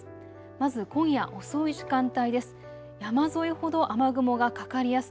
まず今夜遅い時間帯です。